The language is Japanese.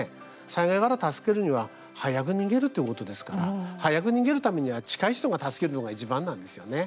災害から助けるには早く逃げるっていうことですから早く逃げるためには近い人が助けるのがいちばんなんですよね。